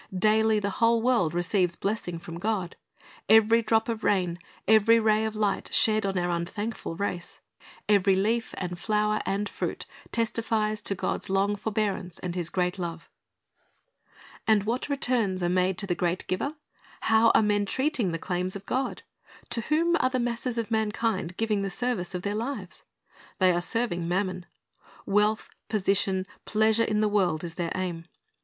Daily the whole world receives blessing from God. Every drop of rain, every ray of light shed on our unthankful race, iMark 16:15 2 John 15:8 ^Johii 3 : 16 302 C Jl r i s t's bj c c t Lessons every leaf and flower and fruit, testifies to God's long forbearance and His great love. And what returns are made to the great Giver? How are men treating the claims of God? To whom are the masses of mankind giving the service of their lives ? They are serving mammon. Wealth, position, pleasure in the world, is their aim.